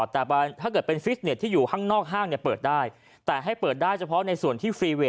แต่ถ้าเกิดเป็นฟิสเน็ตที่อยู่ข้างนอกห้างเปิดได้แต่ให้เปิดได้เฉพาะในส่วนที่ฟีเวท